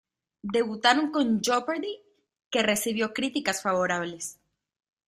Debutaron con "Jeopardy", que recibió críticas favorables.